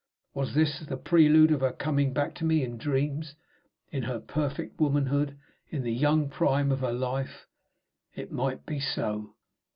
Was this the prelude of her coming back to me in dreams; in her perfected womanhood, in the young prime of her life? It might be so.